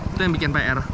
itu yang bikin pr